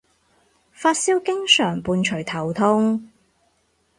發燒經常伴隨頭痛